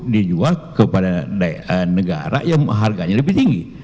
dijual kepada negara yang harganya lebih tinggi